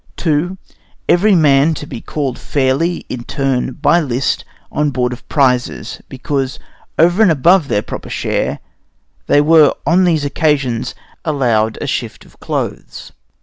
II Every man to be called fairly in turn by list, on board of prizes, because, over and above their proper share, they were on these occasions allowed a shift of clothes.